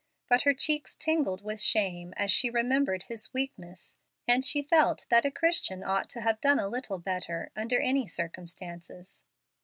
But her cheeks tingled with shame as she remembered his weakness, and she felt that a Christian ought to have done a little better under any circumstances.